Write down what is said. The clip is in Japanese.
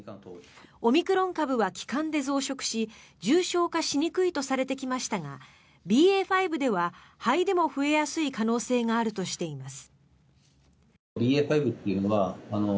オミクロン株は気管で増殖し重症化しにくいとされてきましたがＢＡ．５では肺でも増えやすい可能性があるとしています。